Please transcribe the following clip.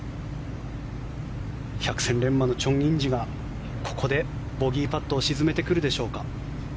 百戦錬磨のチョン・インジがここでボギーパットを沈めてくるでしょうか。